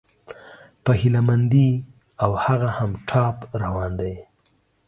په هيله مندي، او هغه هم ټاپ روان دى